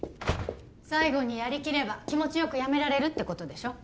最後にやりきれば気持ちよくやめられるってことでしょ